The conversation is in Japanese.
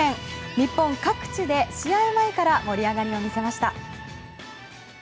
日本各地で試合前から盛り上がりを見せました。